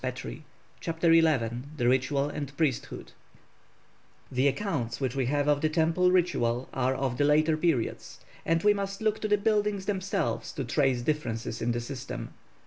CHAPTER XI THE RITUAL AND PRIESTHOOD The accounts which we have of the temple ritual are of the later periods, and we must look to the buildings themselves to trace differences in the system.